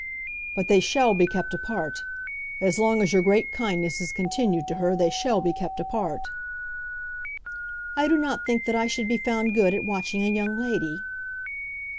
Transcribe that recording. "But they shall be kept apart! As long as your great kindness is continued to her they shall be kept apart!" "I do not think that I should be found good at watching a young lady."